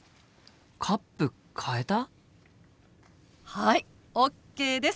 はいＯＫです！